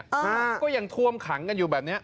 เราก็ยังเธอมคกันอยู่แบบนี้